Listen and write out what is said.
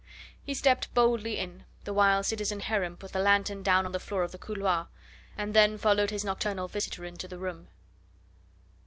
He stepped boldly in, the while citizen Heron put the lanthorn down on the floor of the couloir, and then followed his nocturnal visitor into the room.